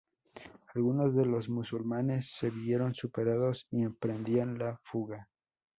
Algunos de los musulmanes se vieron superados y emprendían la fuga.